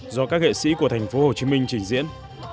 do các nghệ sĩ của thành phố hồ chí minh trình diễn